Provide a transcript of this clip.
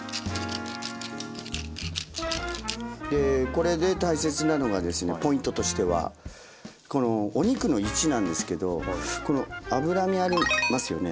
これで大切なのがポイントとしてはこのお肉の位置なんですけどこの脂身ありますよね